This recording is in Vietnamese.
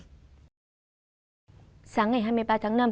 sáng ngày hai mươi ba tháng năm